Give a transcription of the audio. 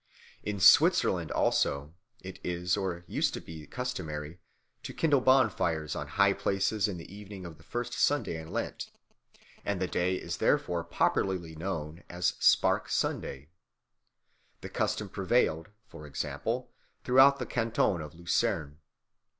In Switzerland, also, it is or used to be customary to kindle bonfires on high places on the evening of the first Sunday in Lent, and the day is therefore popularly known as Spark Sunday. The custom prevailed, for example, throughout the canton of Lucerne.